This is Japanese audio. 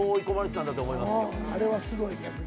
あれはすごい逆に。